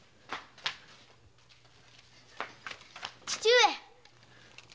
父上！